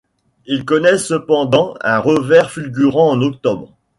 Ils connaissent cependant un revers fulgurant en octobre.